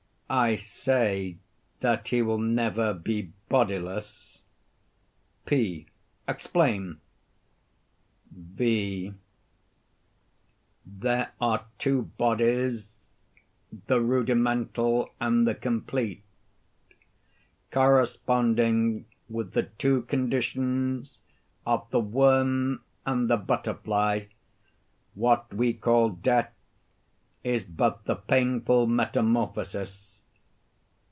V. I say that he will never be bodiless. P. Explain. V. There are two bodies—the rudimental and the complete; corresponding with the two conditions of the worm and the butterfly. What we call "death," is but the painful metamorphosis.